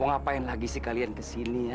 ngapain lagi sih kalian kesini ya